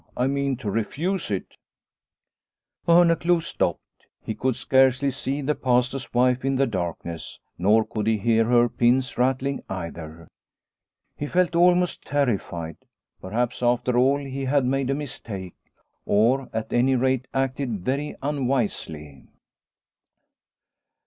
I mean to refuse it/ ' Orneclou stopped. He could scarcely see the Pastor's wife in the darkness, nor could he hear her pins rattling either. He felt almost terrified. Perhaps after all he had made a mistake, or, at any rate, acted very unwisely.